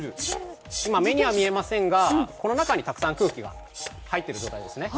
今、目には見えませんが、この中に空気がたくさん入っている状態ですね。